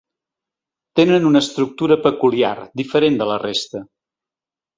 Tenen una estructura peculiar, diferent de la resta.